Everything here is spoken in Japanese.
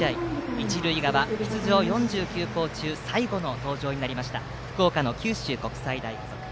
一塁側、出場４９校中最後の登場になった福岡の九州国際大付属。